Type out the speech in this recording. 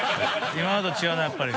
今までと違うなやっぱり。